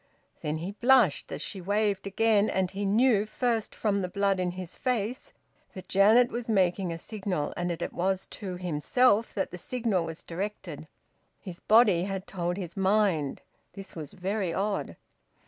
Then he blushed as she waved again, and he knew first from the blood in his face that Janet was making a signal, and that it was to himself that the signal was directed: his body had told his mind; this was very odd.